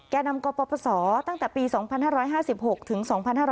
แก่นำกปศตั้งแต่ปี๒๕๕๖ถึง๒๕๕๙